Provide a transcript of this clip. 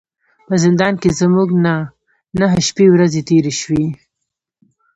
په زندان کې زموږ نه نهه شپې ورځې تیرې شوې.